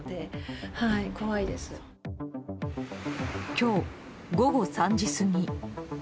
今日午後３時過ぎ。